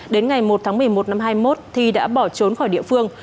đến ngày một tháng một mươi một năm hai mươi một thi đã bỏ trốn khỏi địa phương